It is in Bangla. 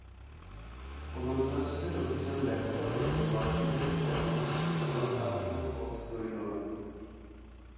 ওলন্দাজদের অভিযান ব্যর্থ হলে ওয়াজিদের সর্বনাশ ঠেকানোর আর কোনো পথ রইল না।